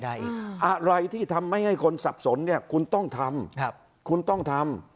อะไรที่ทำไม่ให้คนสับสนเนี่ยคุณต้องทำ